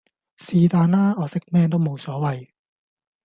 是但啦！我食咩都無所謂